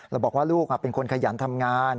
แล้วบอกว่าลูกเป็นคนขยันทำงาน